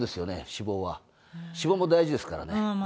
脂肪も大事ですからね。